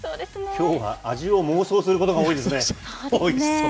きょうは味を妄想することが多いですね。